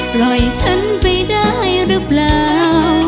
ปล่อยฉันไปได้รึเปล่า